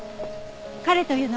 彼というのは？